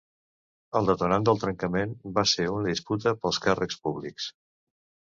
El detonant del trencament va ser una disputa pels càrrecs públics.